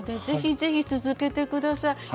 ぜひぜひ続けて下さい。